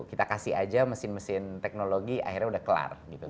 kita kasih aja mesin mesin teknologi akhirnya sudah kelar